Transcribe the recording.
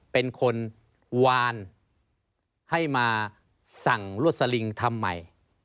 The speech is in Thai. เป็นคนวานให้มาสั่งลวดสลิงทำใหม่